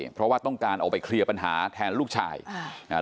เพราะว่าต้องการออกไปเคลียร์ปัญหาแทนลูกชายอ่า